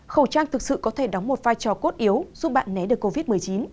khẩu trang thực sự có thể đóng một vai trò cốt yếu giúp bạn né được covid một mươi chín